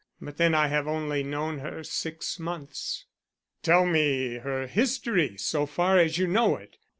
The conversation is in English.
But then I have only known her six months." "Tell me her history so far as you know it.